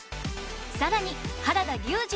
さらに原田龍二